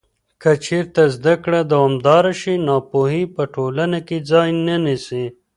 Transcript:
که چېرته زده کړه دوامداره شي، ناپوهي په ټولنه کې ځای نه نیسي.